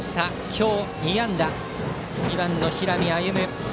今日２安打、２番の平見歩舞。